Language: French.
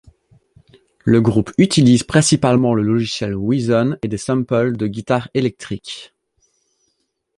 Le groupe utilise principalement le logiciel Reason et des samples de guitare électrique.